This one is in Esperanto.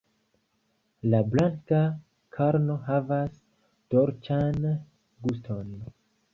La blanka karno havas dolĉan guston.